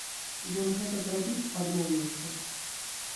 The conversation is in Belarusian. Ён гэта зрабіць адмовіўся.